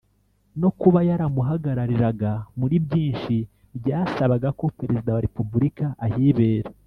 no kuba yaramuhagarariraga muri byinshi byasabaga ko Perezida wa Repubulika ahibera